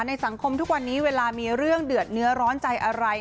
สังคมทุกวันนี้เวลามีเรื่องเดือดเนื้อร้อนใจอะไร